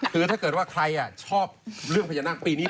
คือถ้าเกิดว่าใครชอบเรื่องพญานาคปีนี้